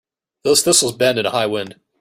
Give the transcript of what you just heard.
Those thistles bend in a high wind.